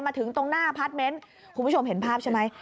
มาถึงตรงหน้าพาร์ทเมนต์คุณผู้ชมเห็นภาพใช่ไหม